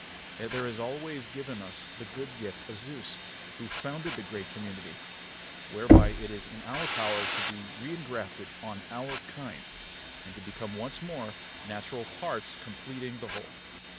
Yet there is always given us the good gift of Zeus, who founded the great community, whereby it is in our power to be reingrafted on our kind, and to become once more, natural parts completing the whole.